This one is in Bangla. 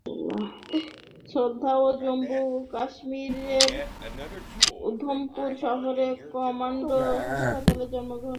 শ্রদ্ধা জম্মু ও কাশ্মীরের উধমপুর শহরে কমান্ড হাসপাতালে জন্মগ্রহণ করেছিলেন।